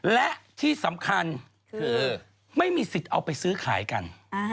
และที่สำคัญคือไม่มีสิทธิ์เอาไปซื้อขายกัน